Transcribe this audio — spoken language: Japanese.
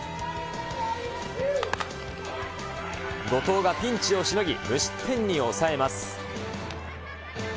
後藤がピンチをしのぎ、無失点に抑えます。